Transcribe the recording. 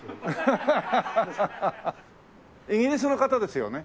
イギリスの方ですよね？